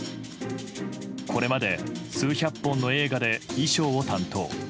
これまで数百本の映画で衣装を担当。